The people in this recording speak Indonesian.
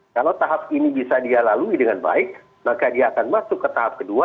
kalau tahap ini bisa dia lalui dengan baik maka dia akan masuk ke tahap kedua